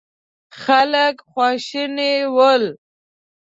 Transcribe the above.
خلک خواشيني ول.